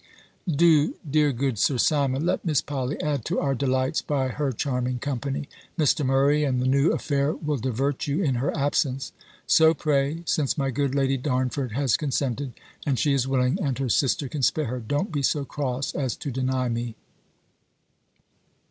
B. Do, dear good Sir Simon, let Miss Polly add to our delights, by her charming company. Mr. Murray, and the new affair will divert you, in her absence. So pray, since my good Lady Darnford has consented, and she is willing, and her sister can spare her; don't be so cross as to deny me.